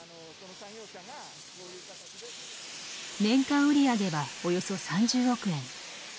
年間売り上げはおよそ３０億円。